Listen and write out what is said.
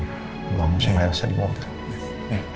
semoga mama saya tidak rasa dibawa ke sana